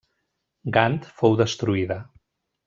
Gant fou destruïda.